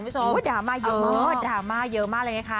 โอ้โหดราม่าเยอะมากดราม่าเยอะมากเลยนะคะ